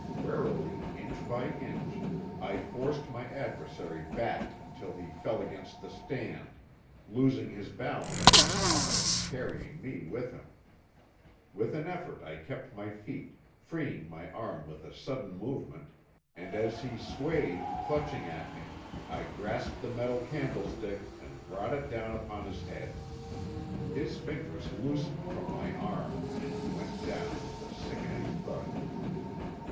Warily, inch by inch, I forced my adversary back until he fell against the stand, losing his balance and almost carrying me with him. With an effort I kept my feet, freeing my arm with a sudden movement, and as he swayed clutching at me, I grasped the metal candlestick and brought it down upon his head. His fingers loosened from my arm and he went down with a sickening thud.